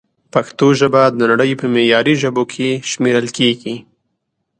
پښتو ژبه د نړۍ په معياري ژبو کښې شمېرل کېږي